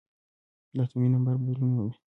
د اتومي نمبر بدلون مومي .